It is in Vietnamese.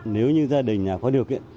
nếu như gia đình có điều kiện